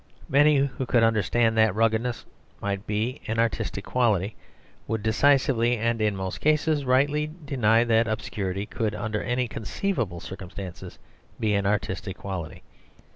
Many who could understand that ruggedness might be an artistic quality, would decisively, and in most cases rightly, deny that obscurity could under any conceivable circumstances be an artistic quality.